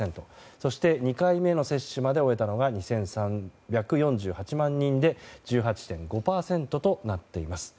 そして２回目の接種まで終えたのが２３４８万人で１８．５％となっています。